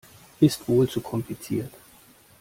Ist wohl zu kompliziert.